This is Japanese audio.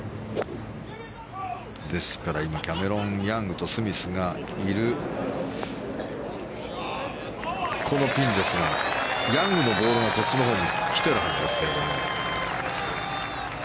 ですから今キャメロン・ヤングとスミスがいるこのピンですがヤングのボールがこっちのほうに来ているはずですが。